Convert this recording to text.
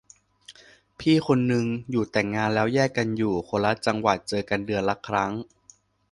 พี่คนนึงอยู่แต่งงานแล้วแยกกันอยู่คนละจังหวัดเจอกันเดือนละครั้ง